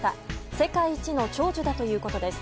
世界一の長寿だということです。